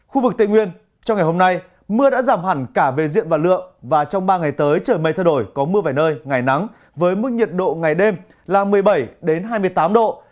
khu vực tây nguyên trong ngày hôm nay mưa đã giảm hẳn cả về diện và lượng và trong ba ngày tới trời mây thay đổi có mưa vài nơi ngày nắng với mức nhiệt độ ngày đêm là một mươi bảy hai mươi tám độ